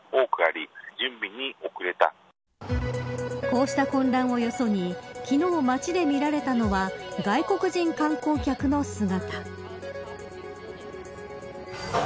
こうした混乱をよそに昨日、街で見られたのは外国人観光客の姿。